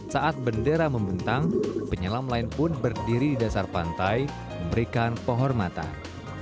saat bendera membentang penyelam lain pun berdiri di dasar pantai memberikan penghormatan